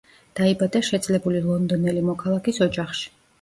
დაიბადა შეძლებული ლონდონელი მოქალაქის ოჯახში.